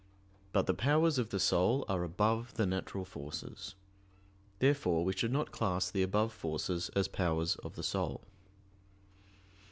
But the powers of the soul are above the natural forces. Therefore we should not class the above forces as powers of the soul.